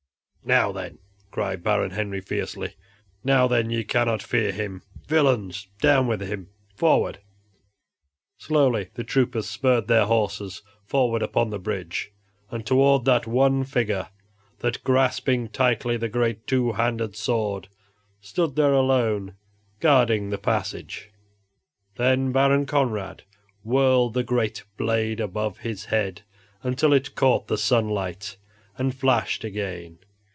"Now then!" cried Baron Henry, fiercely, "now then, ye cannot fear him, villains! Down with him! forward!" Slowly the troopers spurred their horses forward upon the bridge and toward that one figure that, grasping tightly the great two handed sword, stood there alone guarding the passage. Then Baron Conrad whirled the great blade above his head, until it caught the sunlight and flashed again.